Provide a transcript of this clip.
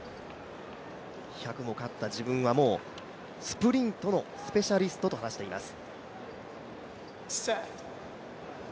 １００も勝った自分はスプリントのスペシャリストと話しています。